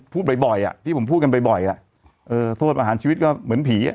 พูดบ่อยอ่ะที่ผมพูดกันบ่อยอ่ะเออโทษประหารชีวิตก็เหมือนผีอ่ะ